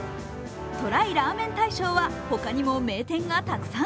ＴＲＹラーメン大賞はほかにも名店がたくさん。